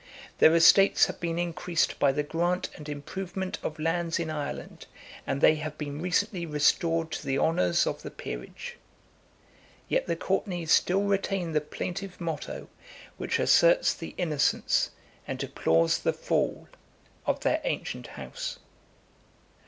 Their estates have been increased by the grant and improvement of lands in Ireland, and they have been recently restored to the honors of the peerage. Yet the Courtenays still retain the plaintive motto, which asserts the innocence, and deplores the fall, of their ancient house.